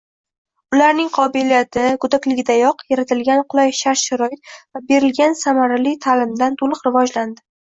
Ularning qobiliyati goʻdaklikdanoq yaratilgan qulay shart-sharoit va berilgan samarali taʼlimdan toʻliq rivojlandi.